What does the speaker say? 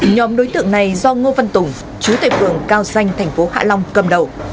nhóm đối tượng này do ngô văn tùng chú tây phường cao danh tp hạ long cầm đầu